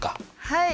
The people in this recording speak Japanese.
はい！